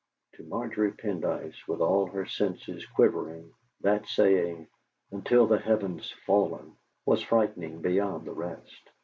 To Margery Pendyce, with all her senses quivering, that saying, "Until the heaven's fallen," was frightening beyond the rest.